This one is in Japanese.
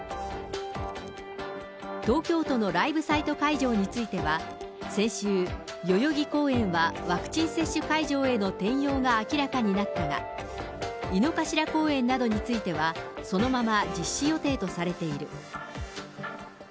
東京都のライブサイト会場については、先週、代々木公園はワクチン接種会場への転用が明らかになったが、井の頭公園などについては、そのまま実施予定とされている。